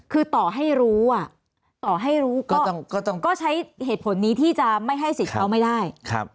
คือต่อให้รู้ต่อให้รู้ก็ใช้เหตุผลนี้ที่จะไม่ให้สิทธิ์เขาไม่ได้